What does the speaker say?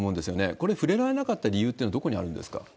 これ、触れられなかった理由というのはどこにあるんですか？